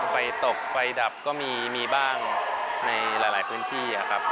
ไฟตกไฟดับก็มีบ้างในหลายพื้นที่ครับ